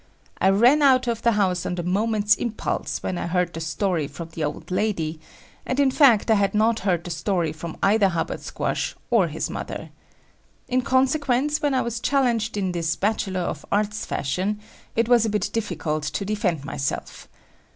I ran out of the house on the moment's impulse when I heard the story from the old lady, and in fact I had not heard the story from either Hubbard Squash or his mother. In consequence, when I was challenged in this Bachelor of Arts fashion, it was a bit difficult to defend myself.